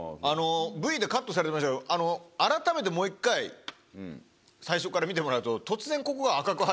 ＶＴＲでカットされてましたけど改めてもう１回最初から見てもらうと。